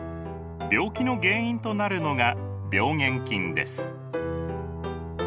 病気の原因となるのが病原菌です。